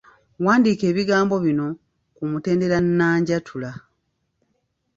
Wandiika ebigambo bino ku mutendera nnanjatula.